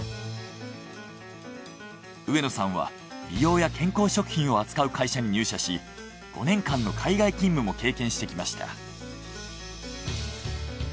上野さんは美容や健康食品を扱う会社に入社し５年間の海外勤務も経験してきました。